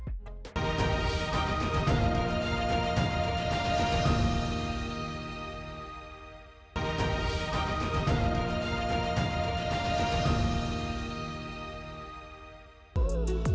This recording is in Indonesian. kepala penelitian bintang bintang